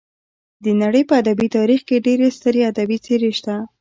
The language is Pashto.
د نړۍ په ادبي تاریخ کې ډېرې سترې ادبي څېرې شته.